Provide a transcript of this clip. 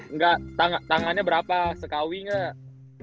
enggak tangannya berapa sekawi nggak